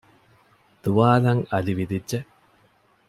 ދުވާލަށް އަލި ވިލިއްޖެ